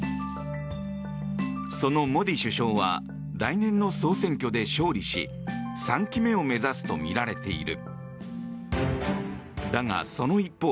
そのモディ首相は来年の総選挙で勝利し３期目を目指すとみられている。